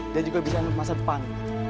dan juga bisa menemukan masa depan